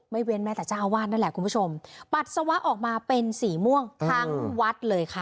เว้นแม้แต่เจ้าอาวาสนั่นแหละคุณผู้ชมปัสสาวะออกมาเป็นสีม่วงทั้งวัดเลยค่ะ